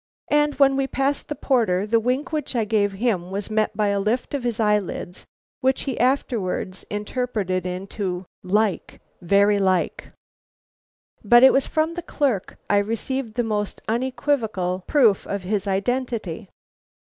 And when we passed the porter, the wink which I gave him was met by a lift of his eyelids which he afterwards interpreted into 'Like! very like!' "But it was from the clerk I received the most unequivocal proof of his identity.